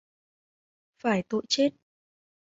Phải tội chết